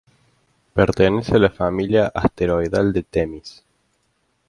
Pertenece a la familia asteroidal de Temis.